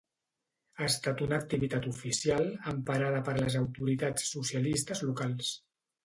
Ha estat una activitat oficial, emparada per les autoritats socialistes locals.